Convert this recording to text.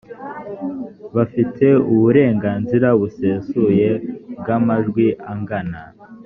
bafite uburenganzira busesuye bw amajwi angana